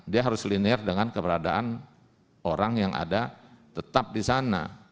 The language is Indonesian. dia harus linear dengan keberadaan orang yang ada tetap di sana